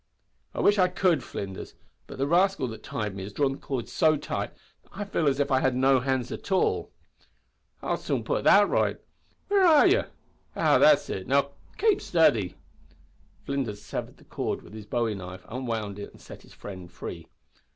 "I wish I could, Flinders, but the rascal that tied me has drawn the cord so tight that I feel as if I had no hands at all." "I'll soon putt that right. Where are ye? Ah, that's it, now, kape stidy." Flinders severed the cord with his bowie knife, unwound it, and set his friend free.